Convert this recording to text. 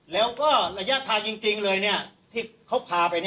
แล้วก็ระยะทางจริงเลยที่เขาพาไป